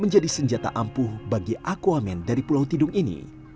menjadi senjata ampuh bagi akuamen dari pulau tidung ini